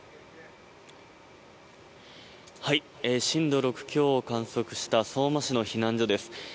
震度６強を観測した相馬市の避難所です。